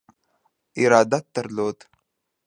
ارادت درلود.